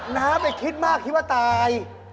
น้ำไปคิดมากคิดว่าตาย